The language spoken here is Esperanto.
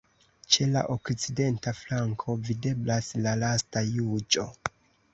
Ĉe la okcidenta flanko videblas la Lasta juĝo.